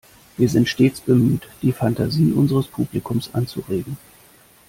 Wir sind stets bemüht, die Fantasie unseres Publikums anzuregen.